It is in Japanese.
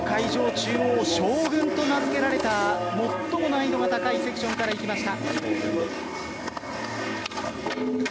中央、ショーグンと名付けられた最も難しいセクションから行きました。